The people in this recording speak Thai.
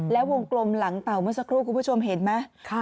แล้ววงกลมหลังเต่าเมื่อสักครู่คุณผู้ชมเห็นไหม